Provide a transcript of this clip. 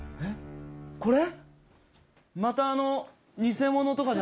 これ？